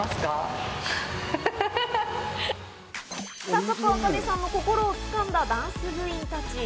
早速、ａｋａｎｅさんの心を掴んだダンス部員たち。